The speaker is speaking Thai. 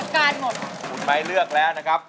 คุณไมค์เลือกแล้วนะครับ